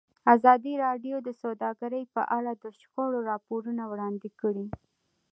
ازادي راډیو د سوداګري په اړه د شخړو راپورونه وړاندې کړي.